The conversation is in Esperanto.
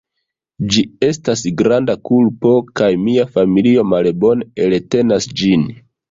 Ĝi estas granda kulpo, kaj mia familio malbone eltenas ĝin.